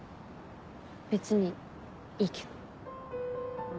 別にいいけど。